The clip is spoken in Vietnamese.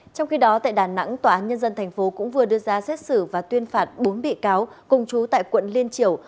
trong khi đó tại đà nẵng tòa án nhân dân tp cũng vừa đưa ra xét xử và tuyên phạt bốn bị cáo cùng chú tại quận liên triều